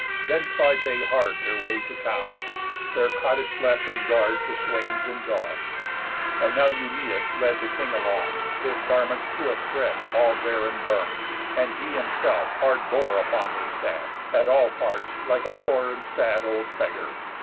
Then plied they hard Their way to town, their cottage left in guard To swains and dogs. And now Eumæus led The king along, his garments to a thread All bare and burn'd, and he himself hard bore Upon his staff, at all parts like a poor And sad old beggar.